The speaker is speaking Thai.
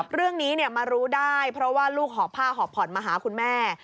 เรื่องนี้มารู้ได้เพราะว่าลูกหอบผ้าหอบผ่อนมาหาคุณแม่